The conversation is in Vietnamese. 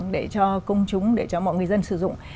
để cho công chúng để cho mọi người dân sử dụng